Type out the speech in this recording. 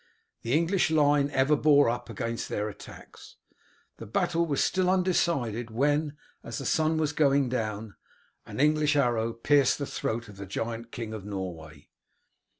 The English line ever bore up against their attacks. The battle was still undecided when, as the sun was going down, an English arrow pierced the throat of the giant King of Norway.